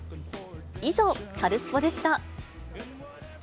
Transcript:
以上、カルスポっ！でした。